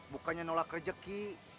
bukannya nolak rejeki